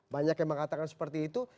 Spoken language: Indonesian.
banyak yang mengatakan seperti itu